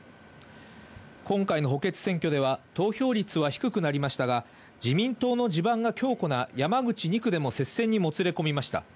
今回の補欠選挙では、投票率は低くなりましたが、自民党の地盤が強固な山口２区でも接戦にもつれ込みました。